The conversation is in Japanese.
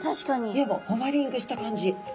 いわばホバリングした感じ。